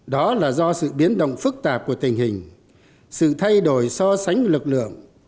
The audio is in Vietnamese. đó là do sự biến động phức tạp của tình hình sự thay đổi so sánh lực lượng